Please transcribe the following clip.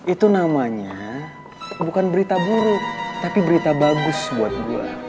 itu namanya bukan berita buruk tapi berita bagus buat gue